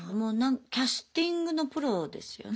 キャスティングのプロですよね。